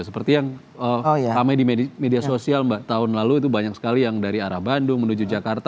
seperti yang ramai di media sosial mbak tahun lalu itu banyak sekali yang dari arah bandung menuju jakarta